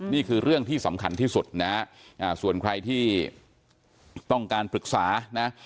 นี่คือเรื่องที่สำคัญที่สุดนะฮะส่วนใครที่ต้องการปรึกษานะ